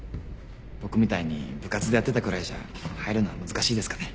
僕みたいに部活でやってたくらいじゃ入るのは難しいですかね。